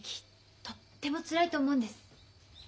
とってもつらいと思うんです。